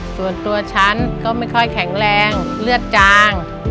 ส่วนตัวฉันก็ไม่ค่อยแข็งแรงเลือดจาง